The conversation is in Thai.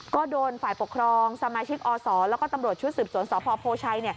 ก็โดนฝ่ายปกครองสมาชิกอศแล้วก็ตำรวจชุดสืบสวนสพโพชัย